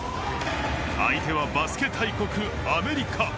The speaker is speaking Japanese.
相手はバスケ大国アメリカ。